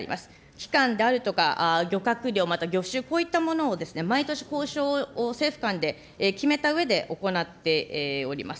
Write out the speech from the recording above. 期間であるとか漁獲量、また魚種、こういったものを毎年交渉を政府間で決めたうえで行っております。